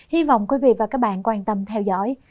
hy vọng quý vị và các bạn quan tâm theo dõi